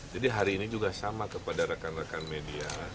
jadi hari ini juga sama kepada rekan rekan media